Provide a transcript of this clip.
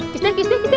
kiss dia kiss dia